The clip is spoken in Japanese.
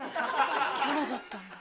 キャラだったんだ。